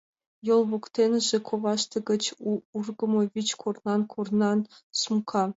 Йол воктеныже коваште гыч ургымо вич корнан-корнан сумка.